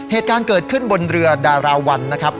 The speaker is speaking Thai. เหตุการณ์เกิดขึ้นบนเรือดาราวันนะครับ